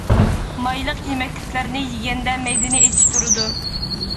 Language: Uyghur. مايلىق يېمەكلىكلەرنى يېگەندە مەيدىنى ئېچىشتۇرىدۇ.